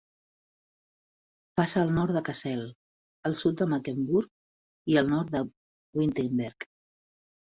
Passa al nord de Kassel, al sud de Magdeburg i al nord de Wittenberg.